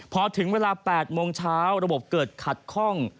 พอถึงเวลา๘โมงเช้าระบบเกิดขัดข้อง